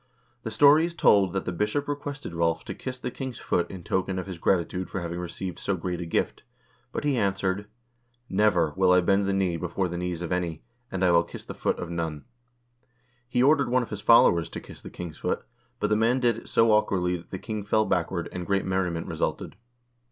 The story is told that the bishop requested Rolv to kiss the king's foot in token of his gratitude for having received so great a gift. But he answered :" Never will I bend the knee before the knees of any, and I will kiss the foot of none." He ordered one of his followers to kiss the king's foot, but the man did it so awkwardly that the king fell backward, and great merriment resulted.